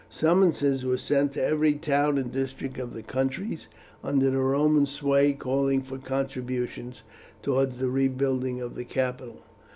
Summonses were sent to every town and district of the countries under the Roman sway calling for contributions towards the rebuilding of the capital.